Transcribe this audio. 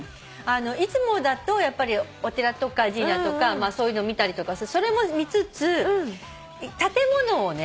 いつもだとお寺とか神社とかそういうの見たりとかそれも見つつ建物をね